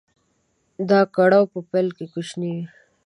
دا کړاو په پيل کې کوچنی وي.